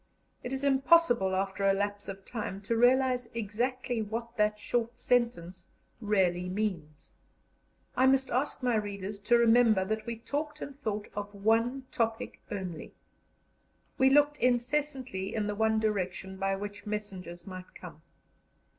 It is impossible after a lapse of time to realize exactly what that short sentence really means. I must ask my readers to remember that we talked and thought of one topic only; we looked incessantly in the one direction by which messengers might come.